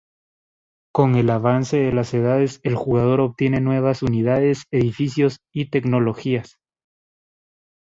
Con el avance de las edades, el jugador obtiene nuevas unidades, edificios y tecnologías.